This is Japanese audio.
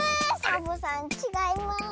サボさんちがいます。